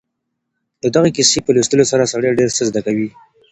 د دغې کیسې په لوستلو سره سړی ډېر څه زده کوي.